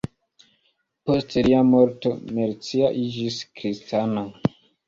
Post lia morto Mercia iĝis kristana.